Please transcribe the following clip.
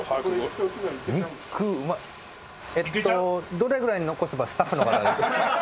どれぐらい残せばスタッフの方。